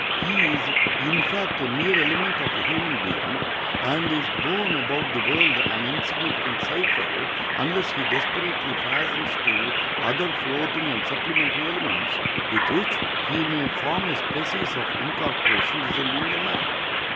He is, in fact, a mere element of a human being, and is borne about the world an insignificant cipher, unless he desperately fastens to other floating and supplementary elements, with which he may form a species of incorporation resembling a man.